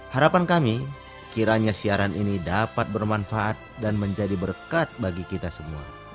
harapan kami kiranya siaran ini dapat bermanfaat dan menjadi berkat bagi kita semua